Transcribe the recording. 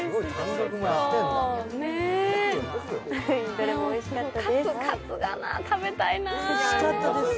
どれもおいしかったです。